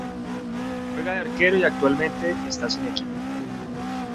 Juega de arquero y actualmente está sin equipo.